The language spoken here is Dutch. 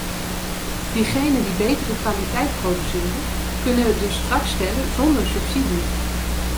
Diegenen die betere kwaliteit produceren, kunnen het dus straks stellen zonder subsidie.